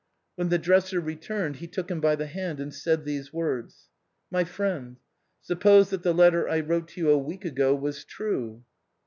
When the dresser returned he took him by the hand and said these words: "My friend, suppose that the letter I wrote to you a week ago was true